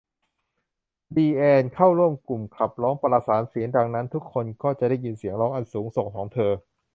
ลีแอนน์ เข้าร่วมกลุ่มขับร้องประสานเสียง ดังนั้นทุกคนก็จะได้ยินเสียงร้องอันสูงส่งของเธอ